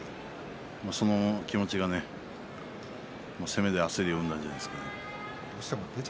その気持ちがね攻めで焦るようになるんじゃないですかね。